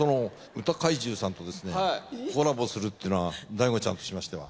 歌怪獣さんとですねコラボするっていうのはＤＡＩＧＯちゃんとしましては。